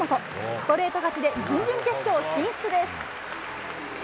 ストレート勝ちで準々決勝進出です。